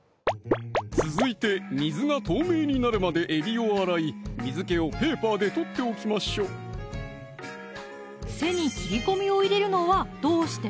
続いて水が透明になるまでえびを洗い水気をペーパーで取っておきましょう背に切り込みを入れるのはどうして？